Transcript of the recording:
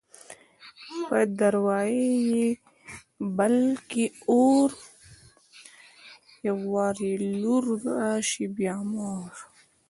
په دراوۍ يې بل کي اور _ يو وار يې لور راسي بيا مور